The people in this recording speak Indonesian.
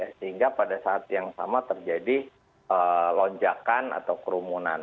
sehingga pada saat yang sama terjadi lonjakan atau kerumunan